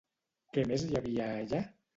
Què més hi havia allà?